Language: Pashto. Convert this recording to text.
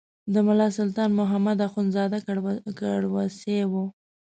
د ملا سلطان محمد اخندزاده کړوسی و.